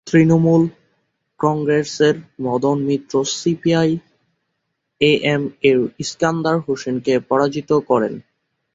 তৃণমূল কংগ্রেসের Madan Mitra CPI M এর ইস্কান্দার হোসেনকে পরাজিত করেন।